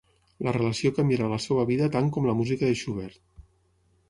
La relació canviarà la seva vida tant com la música de Schubert.